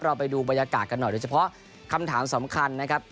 ไปดูบรรยากาศกันหน่อยโดยเฉพาะคำถามสำคัญนะครับ